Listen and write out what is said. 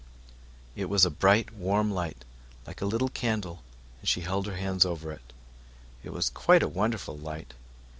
It gave a warm, bright light, like a little candle, as she held her hand over it. It was really a wonderful light.